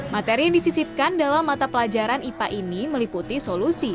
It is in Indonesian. materi yang disisipkan dalam mata pelajaran ipa ini meliputi solusi